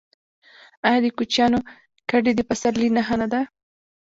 آیا د کوچیانو کډې د پسرلي نښه نه ده؟